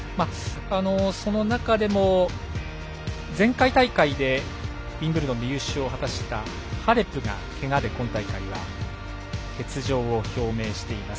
その中でも前回大会でウィンブルドンで優勝を果たしたハレプが、けがで今大会は欠場を表明しています。